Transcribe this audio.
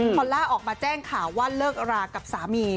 พอล่าออกมาแจ้งข่าวว่าเลิกรากับสามี